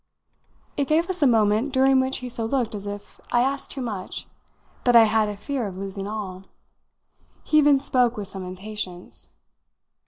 It gave us a moment during which he so looked as if I asked too much, that I had a fear of losing all. He even spoke with some impatience.